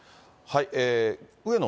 上野